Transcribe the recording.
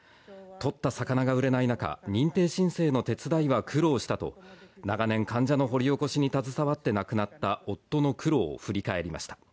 取った魚が売れない中、認定申請の手伝いは苦労したと、長年、患者の掘り起こしに携わって亡くなった夫の苦労を振り返りました。